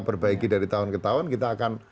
perbaiki dari tahun ke tahun kita akan